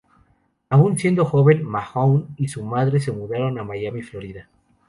Aún siendo joven, Mahone y su madre se mudaron a Miami, Florida.